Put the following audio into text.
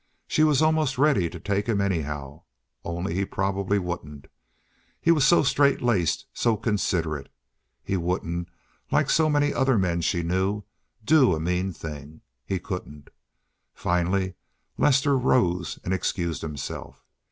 She was almost ready to take him anyhow—only he probably wouldn't. He was so straight laced, so considerate. He wouldn't, like so many other men she knew, do a mean thing. He couldn't. Finally Lester rose and excused himself.